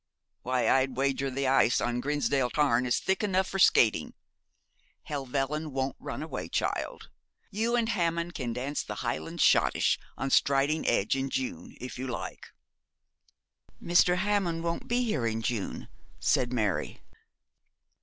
Why, I'd wager the ice on Grisdale Tarn is thick enough for skating. Helvellyn won't run away, child. You and Hammond can dance the Highland Schottische on Striding Edge in June, if you like.' 'Mr. Hammond won't be here in June,' said Mary.